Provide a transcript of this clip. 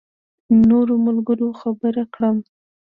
نورو ملګرو خبر کړم.